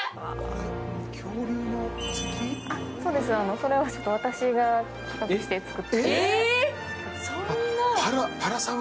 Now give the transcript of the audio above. それは私が企画して作って。